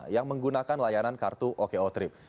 yang menggunakan layanan kartu oko trip